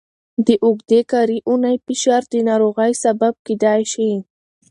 د اوږدې کاري اونۍ فشار د ناروغۍ سبب کېدای شي.